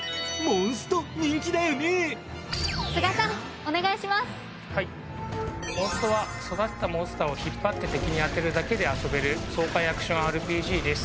『モンスト』は育てたモンスターを引っ張って敵に当てるだけで遊べる爽快アクションＲＰＧです。